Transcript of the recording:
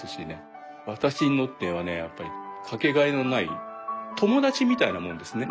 私にとってはねやっぱりかけがえのない友達みたいなものですね。